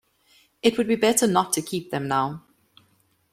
It would be better not to keep them now.